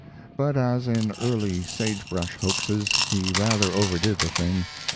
But, as in the early sage brush hoaxes, he rather overdid the thing.